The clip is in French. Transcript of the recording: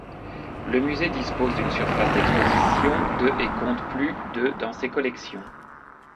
Le musée dispose d'une surface d'exposition de et compte plus de dans ses collections.